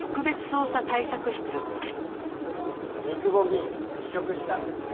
三窪議員辞職したんですね。